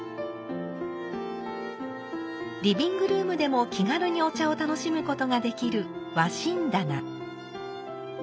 リビングルームでも気軽にお茶を楽しむことができる「和親棚」。